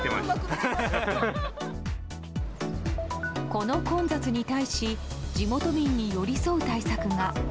この混雑に対し地元民に寄り添う対策が。